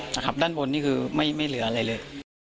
นะครับด้านบนนี่คือไม่เหลืออะไรเลย